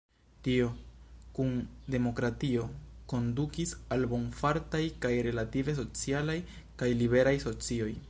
Tio, kun demokratio, kondukis al bonfartaj kaj relative socialaj kaj liberaj socioj.